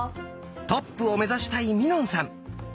トップを目指したいみのんさん。